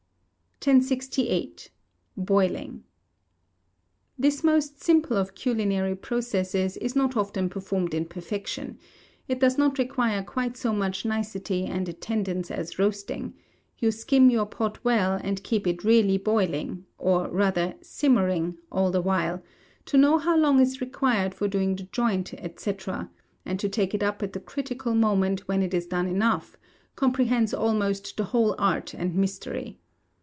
1068. Boiling. This most simple of culinary processes is not often performed in perfection; it does not require quite so much nicety and attendance as roasting; to skim your pot well, and keep it really boiling, or rather, simmering, all the while to know how long is required for doing the joint, &c., and to take it up at the critical moment when it is done enough comprehends almost the whole art and mystery.